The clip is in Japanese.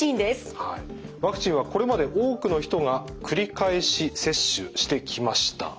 ワクチンはこれまで多くの人が繰り返し接種してきました。